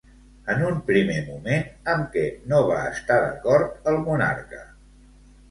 En un primer moment, amb què no va estar d'acord el monarca?